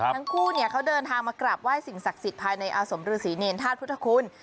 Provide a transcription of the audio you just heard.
ทั้งคู่เขาเดินทางมากราบไห้สิ่งศักดิ์สิทธิ์ภายในอาสมฤษีเนรธาตุพุทธคุณ